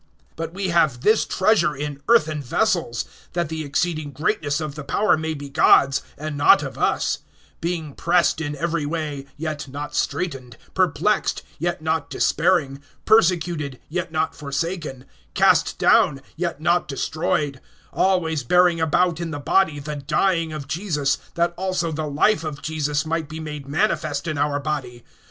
(7)But we have this treasure in earthen vessels, that the exceeding greatness of the power may be God's, and not of us; (8)being pressed in every way, yet not straitened; perplexed, yet not despairing; (9)persecuted, yet not forsaken; cast down, yet not destroyed; (10)always bearing about in the body the dying of Jesus, that also the life of Jesus might be made manifest in our body.